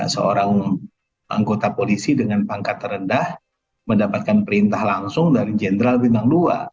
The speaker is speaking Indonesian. seorang anggota polisi dengan pangkat terendah mendapatkan perintah langsung dari jenderal bintang dua